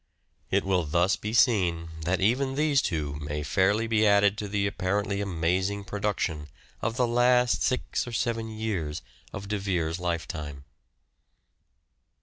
It will thus be seen that even these two may fairly be added to the apparently amazing produc tion of the last six or seven years of De Vere's lifetime.